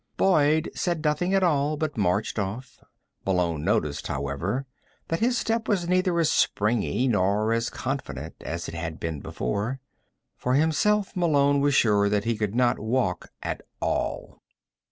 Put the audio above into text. Boyd said nothing at all, but marched off. Malone noticed, however, that his step was neither as springy nor as confident as it had been before. For himself, Malone was sure that he could not walk at all.